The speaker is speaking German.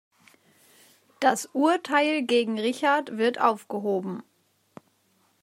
Das Urteil gegen Richard wird aufgehoben.